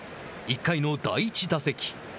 １回の第１打席。